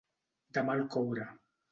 De mal coure.